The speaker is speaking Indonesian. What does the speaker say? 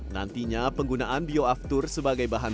nantinya penggunaan bioaftur sebagai bahan